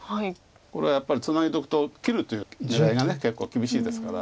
これはやっぱりツナいどくと切るっていう狙いが結構厳しいですから。